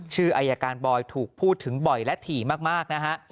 ชื่ออายการบอยถูกพูดถึงบ่อยและถี่มากนะฮะ